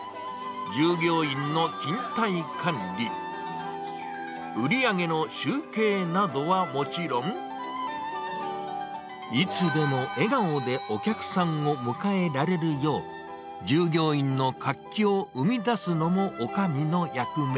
従業員の勤退管理、売り上げの集計などはもちろん、いつでも笑顔でお客さんを迎えられるよう、従業員の活気を生み出すのもおかみの役目。